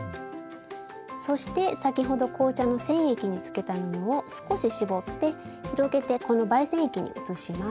そして先ほど紅茶の染液につけた布を少し絞って広げてこの媒染液に移します。